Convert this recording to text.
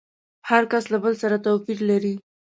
هر کس له بل سره توپير لري.